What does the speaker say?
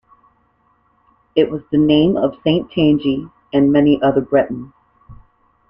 It was the name of Saint Tangi and many other Bretons.